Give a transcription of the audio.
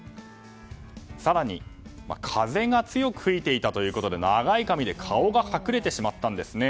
更に、風が強く吹いていたということで長い髪で顔が隠れてしまったんですね。